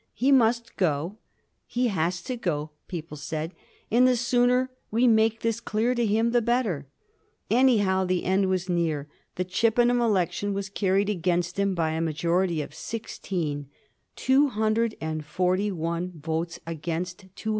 He must go — ^he has to go — ^people said ; and the sooner we make this clear to him the better. Anyhow, the end was near. The Chippenham election was carried against him by a majority of sixteen — 241 votes against 225.